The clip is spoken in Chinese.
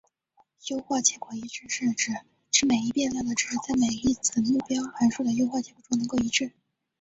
优化结果一致是指使每一变量的值在每一子目标函数的优化结果中能够一致。